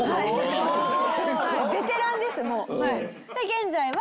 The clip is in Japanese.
現在は。